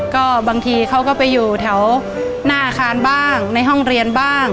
ก็บางทีเขาก็ไปอยู่แถวหน้าอาคารบ้างในห้องเรียนบ้าง